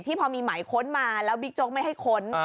พอมีหมายค้นมาแล้วบิ๊กโจ๊กไม่ให้ค้น